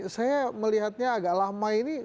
saya melihatnya agak lama ini